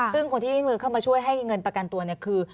ซึ่งคนที่ยื่นมือเข้ามาช่วยให้เงินประกันตัวเนี่ยคือ